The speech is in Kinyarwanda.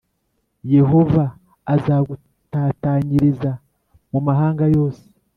Yehova azagutatanyiriza mu mahanga yose,